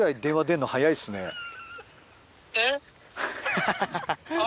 ハハハハハ。